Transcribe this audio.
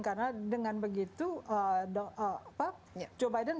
karena dengan begitu joe biden bisa lebih luwes dalam mensuhi china